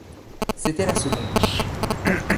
C’était la seconde.